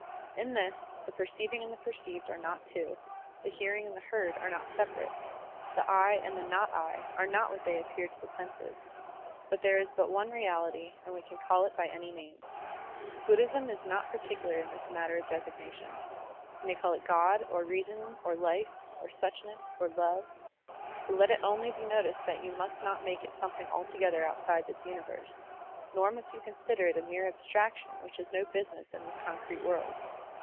In this, the perceiving and the perceived are not two, the hearing and the heard are not separate, the "I" and the not I '* are not what they appear to the senses. But there is but one reality and we can call it by any name. Buddhism is not particular in this matter of designation. You may call it God or reason or life or suchness or love, but let it only be noticed that you must not make it something altogether outside this tmiverse, nor must you consider it a mere abstraction which has no business in this concrete world.